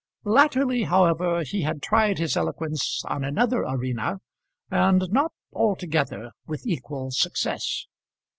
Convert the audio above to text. Latterly, however, he had tried his eloquence on another arena, and not altogether with equal success.